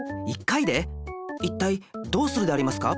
いったいどうするでありますか？